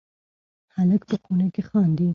هلک په خونه کې خاندي.